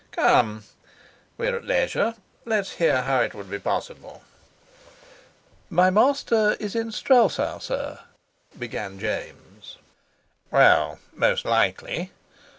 Come, we're at leisure. Let's hear how it would be possible." "My master is in Strelsau, sir," began James. "Well, most likely."